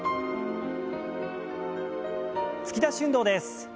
突き出し運動です。